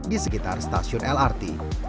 di sekitar stasiun lrt